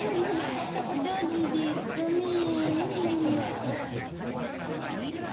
ドジでごめん。